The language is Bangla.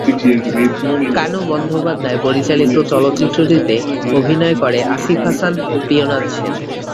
কানু বন্দ্যোপাধ্যায় পরিচালিত চলচ্চিত্রটিতে অভিনয় করে আসিফ হাসান এবং প্রিয়নাথ সেন।